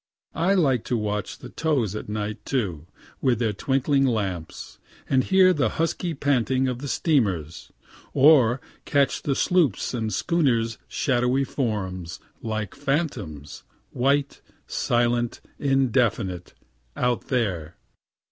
I like to watch the tows at night, too, with their twinkling lamps, and hear the husky panting of the steamers; or catch the sloops' and schooners' shadowy forms, like phantoms, white, silent, indefinite, out there.